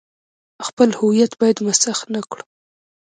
خپل هویت باید مسخ نه کړو.